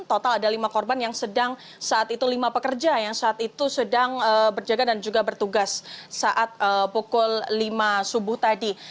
total ada lima korban yang sedang saat itu lima pekerja yang saat itu sedang berjaga dan juga bertugas saat pukul lima subuh tadi